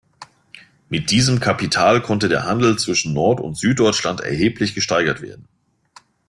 Mit diesem Kapital konnte der Handel zwischen Nord- und Süddeutschland erheblich gesteigert werden.